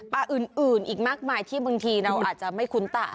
อื่นอีกมากมายที่บางทีเราอาจจะไม่คุ้นตา